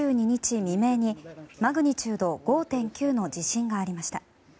未明にマグニチュード５．９の地震がありました。